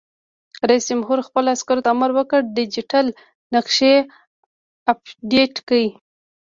رئیس جمهور خپلو عسکرو ته امر وکړ؛ ډیجیټل نقشې اپډېټ کړئ!